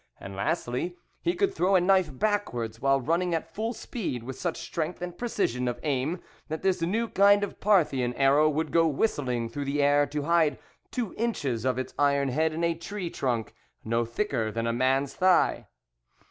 And lastly, he could throw a knife backwards while running at full speed with such strength and precision of aim that this new kind of Parthian arrow would go whistling through the air to hide two inches of its iron head in a tree trunk no thicker than a man's thigh.